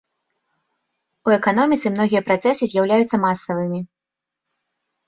У эканоміцы многія працэсы з'яўляюцца масавымі.